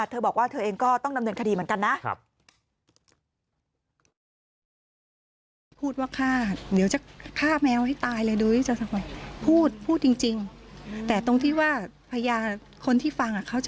เธอบอกว่าเธอเองก็ต้องดำเนินคดีเหมือนกันนะ